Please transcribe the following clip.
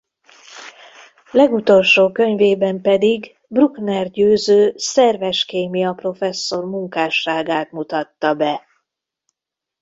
Legutolsó könyvében pedig Bruckner Győző szerveskémia-professzor munkásságát mutatta be.